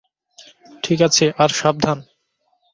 ঠিক আছে - আর সাবধান।